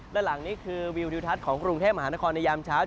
ด้านหลังนี้คือวิวทิวทัศน์ของกรุงเทพมหานครในยามเช้า